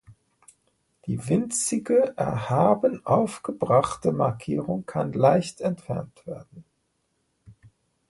Die winzige erhaben aufgebrachte Markierung kann leicht entfernt werden.